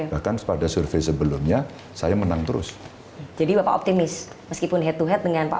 bahkan pada survei sebelumnya saya menang terus jadi bapak optimis meskipun head to head dengan pak